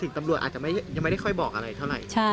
ตำรวจอาจจะยังไม่ได้ค่อยบอกอะไรเท่าไหร่